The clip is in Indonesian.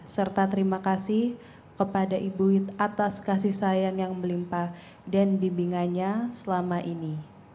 serta terima kasih kepada ibu atas kasih sayang yang melimpa dan bimbingannya selama ini